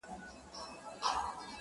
o د زړه په هر درب كي مي ته اوســېږې.